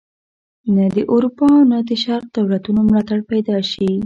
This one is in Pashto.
نه د اروپا او نه د شرق دولتونو ملاتړ پیدا شي.